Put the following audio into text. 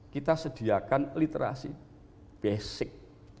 kita sediakan literasi basic